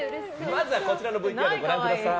まずは、こちらのＶＴＲをご覧ください！